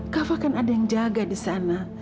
kafa kan ada yang jaga di sana